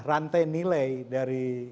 rantai nilai dari